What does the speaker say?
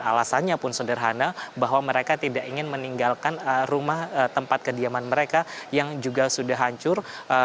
alasannya pun sederhana bahwa mereka tidak ingin meninggalkan rumah tempat kediaman mereka yang juga sudah hancur